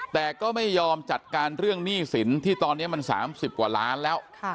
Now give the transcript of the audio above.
แต่ก็ไม่ยอมจัดการเรื่องหนี้สินที่ตอนนี้มัน๓๐กว่าล้านแล้ว